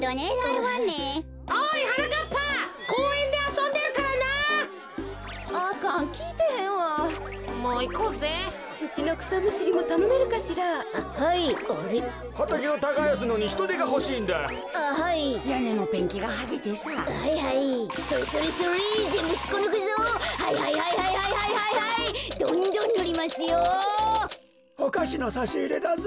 おかしのさしいれだぞ。